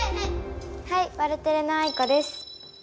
はいワルテレのあいこです。